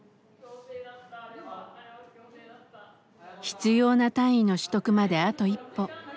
必要な単位の取得まであと一歩。